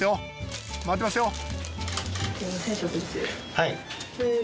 はい。